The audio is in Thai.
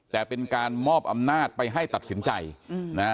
แต่เป็นการมอบอำนาจไปให้ตัดสินใจนะฮะ